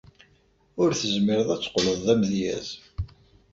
Ur tezmireḍ ad teqqleḍ d amedyaz.